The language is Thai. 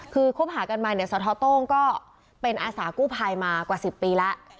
คือคบหากันมาเนี่ยสทโต้งก็เป็นอาสากู้ภัยมากว่า๑๐ปีแล้ว